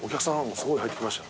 すごい入ってきました。